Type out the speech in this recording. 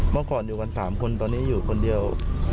เมื่อก่อนอยู่กัน๓คนตอนนี้อยู่คนเดียว